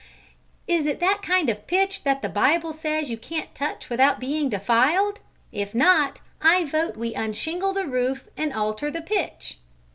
"Is it that kind of pitch that the Bible says you can't touch without being defiled? If not, I vote that we unshingle the roof and alter the pitch!"